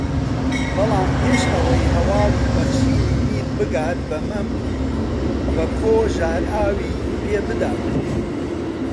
بەڵام پێش ئەوەی ھەواڵی بەخشینی میر بگات بە مەم بەکۆ ژارئاوی پێدەدات